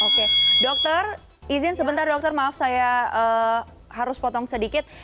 oke dokter izin sebentar dokter maaf saya harus potong sedikit